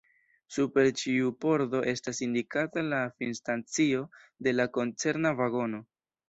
Super ĉiu pordo estas indikata la finstacio de la koncerna vagono.